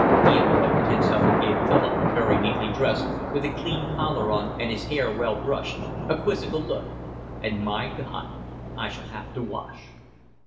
He interrupted himself and gave Philip, very neatly dressed, with a clean collar on and his hair well brushed, a quizzical look. "And, my God! I shall have to wash."